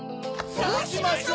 そうしましょう！